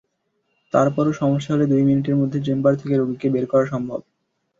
তারপরও সমস্যা হলে দুই মিনিটের মধ্যে চেম্বার থেকে রোগীকে বের করা সম্ভব।